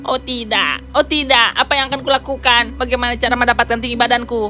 oh tidak oh tidak apa yang akan kulakukan bagaimana cara mendapatkan tinggi badanku